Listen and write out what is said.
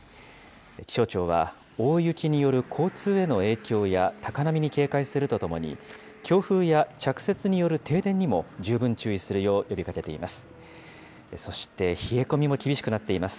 気象庁は大雪による交通への影響や高波に警戒するとともに、強風や着雪による停電にも十分注意するよう呼びかけています。